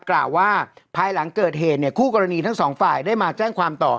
กล่าวว่าภายหลังเกิดเหตุเนี่ยคู่กรณีทั้งสองฝ่ายได้มาแจ้งความต่อ